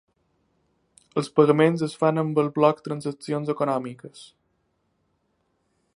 Els pagaments es fan amb el bloc transaccions econòmiques.